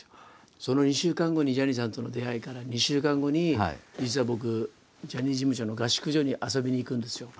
その２週間後にジャニーさんとの出会いから２週間後に実は僕ジャニーズ事務所の合宿所に遊びに行くんですよ。